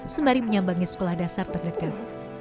sembari menyambangi sekolah dasar terdekat